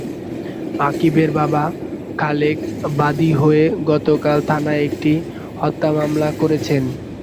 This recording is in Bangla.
আকিবের বাবা খালেক বাদী হয়ে গতকাল থানায় একটি হত্যা মামলা করেছেন।